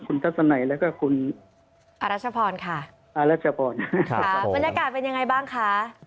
คุณทัศนัยแล้วก็คุณอรัชพรค่ะอรัชพรค่ะบรรยากาศเป็นยังไงบ้างคะ